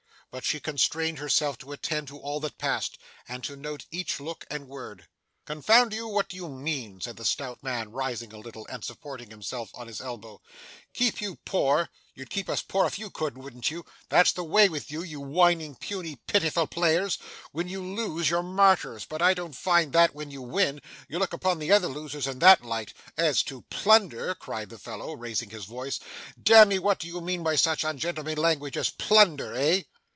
But she constrained herself to attend to all that passed, and to note each look and word. 'Confound you, what do you mean?' said the stout man rising a little, and supporting himself on his elbow. 'Keep you poor! You'd keep us poor if you could, wouldn't you? That's the way with you whining, puny, pitiful players. When you lose, you're martyrs; but I don't find that when you win, you look upon the other losers in that light. As to plunder!' cried the fellow, raising his voice 'Damme, what do you mean by such ungentlemanly language as plunder, eh?